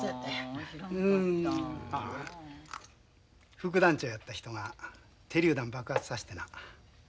副団長やった人が手りゅう弾爆発さしてな。